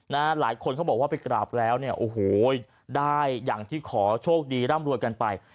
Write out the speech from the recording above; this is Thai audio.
หลายคนเขาบอกว่าไปกราบแล้วเนี่ยโอ้โหได้อย่างที่ขอโชคดีร่ำรวยกันไป